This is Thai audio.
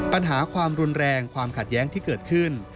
ปัญหาความรุนแรงความขัดแย้งที่เกิดขึ้น